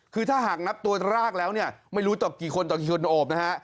คือถ้าหากนับตัวรากแล้วเนี่ยไม่รู้ต่อกี่คนต่อกี่คนโอบนะฮะ